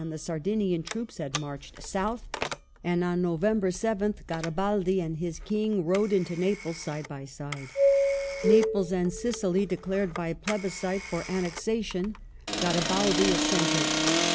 162. 310 DOMESTIC ADMINISTRATION [1856 Sardinian troops had marched south, and on November 7th Gari baldi and his King rode into Naples side by side. Naples and Sicily declared by plebiscite for annexation ; Garibaldi assented.